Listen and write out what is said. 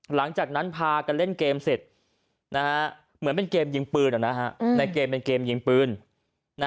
หลังจากนั้นพากันเล่นเกมเสร็จเหมือนเป็นเกมยิงปืน